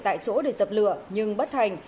tại chỗ để dập lửa nhưng bất thành